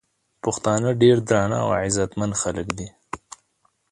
پښتانه ډير درانه او عزتمن خلک دي